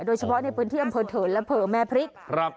โดยเฉพาะในพื้นเที่ยมเผลอเถินและเผลอแม่พริกครับ